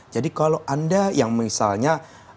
jadi kalau anda yang misalnya